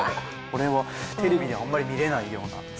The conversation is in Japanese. これはテレビであんまり見れないような。